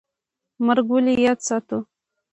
مرګ ولې یاد ساتو؟